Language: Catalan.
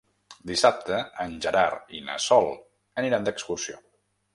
Dissabte en Gerard i na Sol aniran d'excursió.